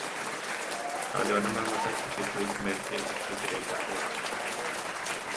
Алена маамата, ити кыыс мэлдьи икки сирэйдээх буолааччы